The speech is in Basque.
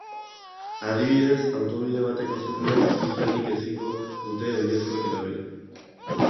Adibidez, autobide bateko zubia ziurrenik ezingo dute oinezkoek erabili.